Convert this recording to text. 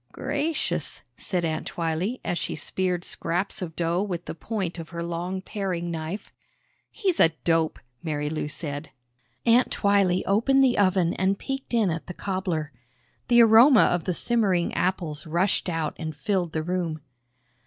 "Gracious," said Aunt Twylee as she speared scraps of dough with the point of her long paring knife. "He's a dope!" Marilou said. Aunt Twylee opened the oven and peeked in at the cobbler. The aroma of the simmering apples rushed out and filled the room.